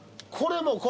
これも。